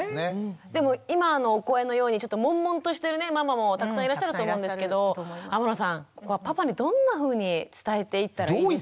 でも今のお声のようにちょっとモンモンとしてるママもたくさんいらっしゃると思うんですけど天野さんパパにどんなふうに伝えていったらいいですか？